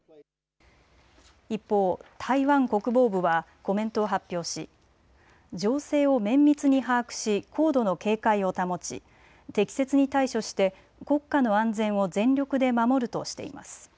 一方、台湾国防部はコメントを発表し情勢を綿密に把握し高度の警戒を保ち適切に対処して国家の安全を全力で守るとしています。